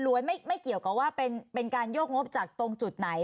ไม่เกี่ยวกับว่าเป็นการโยกงบจากตรงจุดไหน